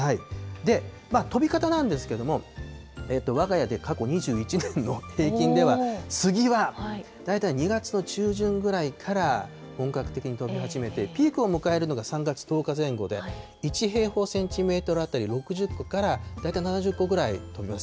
で、飛び方なんですけれども、わが家で過去２１年の平均では、スギは大体２月中旬くらいから本格的に飛び始めて、ピークを迎えるのが３月１０日前後で、１平方センチメートル当たり６０個から大体７０個ぐらい飛びます。